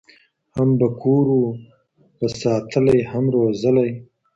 هم به کور وو په ساتلی هم روزلی